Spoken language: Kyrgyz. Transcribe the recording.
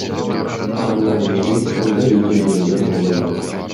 Андан бери мындай изилдөөлөр боло элек.